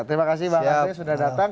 terima kasih bang andre sudah datang